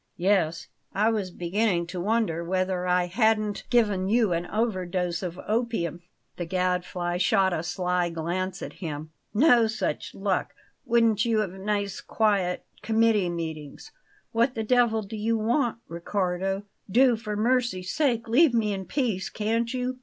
"Yes; I was beginning to wonder whether I hadn't given you an overdose of opium." The Gadfly shot a sly glance at him. "No such luck! Wouldn't you have nice quiet committee meetings? What the devil do you want, Riccardo? Do for mercy's sake leave me in peace, can't you?